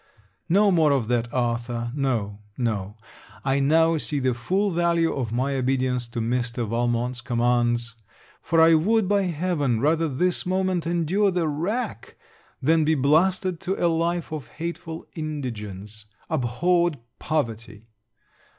No more of that, Arthur. No! no! I now see the full value of my obedience to Mr. Valmont's commands; for I would, by heaven, rather this moment endure the rack, than be blasted to a life of hateful indigence, abhorred poverty!